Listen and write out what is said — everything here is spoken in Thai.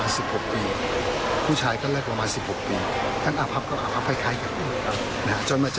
ส่วนผู้หญิงก็ค่อนข้างที่จะ